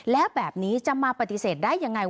แล้วแบบนี้จะมาปฏิเสธได้ยังไง